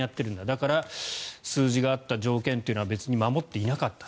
だから数字があった条件というのは守っていなかった。